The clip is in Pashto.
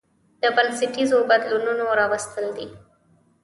د بنسټيزو بدلونونو راوستل دي